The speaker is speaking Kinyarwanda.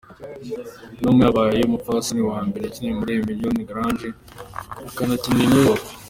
Noma yabaye umupfasoni wa mbere yakinye muri Hermione Grange, anakinira i New York.